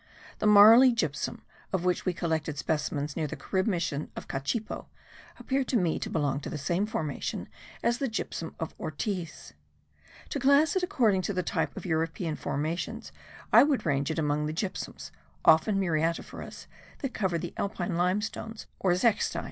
The marly gypsum, of which we collected specimens near the Carib mission of Cachipo, appeared to me to belong to the same formation as the gypsum of Ortiz. To class it according to the type of European formations I would range it among the gypsums, often muriatiferous, that cover the Alpine limestone or zechstein.